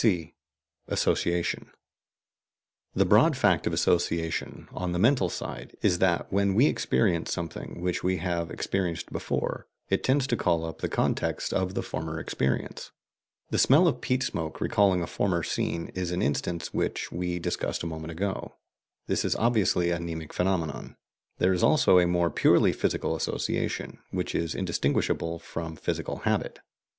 (c) ASSOCIATION. The broad fact of association, on the mental side, is that when we experience something which we have experienced before, it tends to call up the context of the former experience. The smell of peat smoke recalling a former scene is an instance which we discussed a moment ago. This is obviously a mnemic phenomenon. There is also a more purely physical association, which is indistinguishable from physical habit.